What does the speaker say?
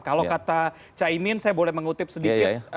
kalau kata cak imin saya boleh mengutip sedikit